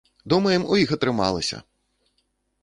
Думаем, у іх атрымалася!